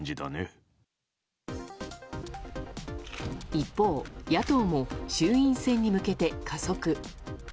一方、野党も衆院選に向けて加速。